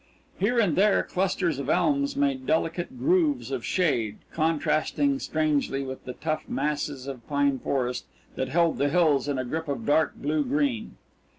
Here and there clusters of elms made delicate groves of shade, contrasting strangely with the tough masses of pine forest that held the hills in a grip of dark blue green.